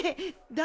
誰？